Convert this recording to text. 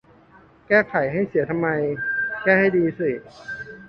แก้ไขให้เสียทำไม แก้ให้ดีสิ